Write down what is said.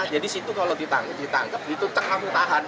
jadi situ kalau ditangkap ditangkap itu cek aku tahan